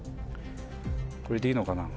これでいいのかな？